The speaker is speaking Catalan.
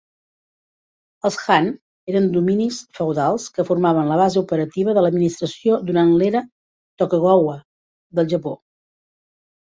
Els Han eren dominis feudals que formaven la base operativa de l'administració durant l'era Tokugawa del Japó.